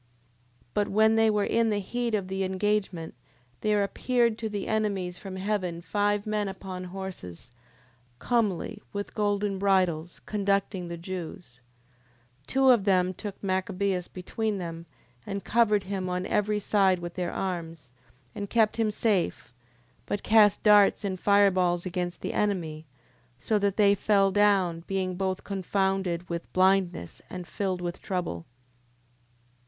10:29. But when they were in the heat of the engagement, there appeared to the enemies from heaven five men upon horses, comely, with golden bridles, conducting the Jews: 10:30. Two of them took Machabeus between them, and covered him on every side with their arms, and kept him safe; but cast darts and fireballs against the enemy, so that they fell down, being both confounded with blindness, and filled with trouble.